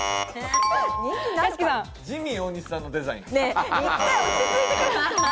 ジミー大西さんのデザイン。